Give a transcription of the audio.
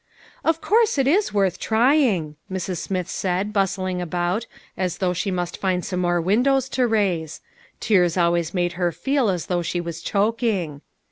" Of course it is worth trying," Mrs. Smith said, bustling about, as though she must find some more windows to raise ; tears always made her feel as though she was choking.